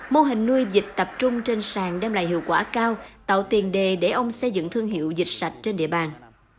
mô hình nuôi dịch tập trung trên sàn đem lại hiệu quả cao tạo tiền đề để ông xây dựng thương hiệu dịch sạch trên địa bàn